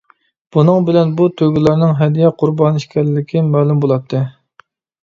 بۇنىڭ بىلەن بۇ تۆگىلەرنىڭ ھەدىيە قۇربانى ئىكەنلىكى مەلۇم بولاتتى.